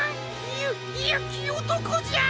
ゆゆきおとこじゃ！